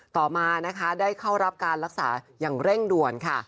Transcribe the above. ต่อมานะคะได้เข้ารับการรักษาอย่างเร่งด่วนค่ะ